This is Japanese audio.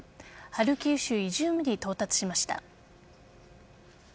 ハルキウ州イジュームに到達しました。